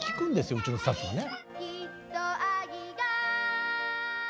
うちのスタッフがね。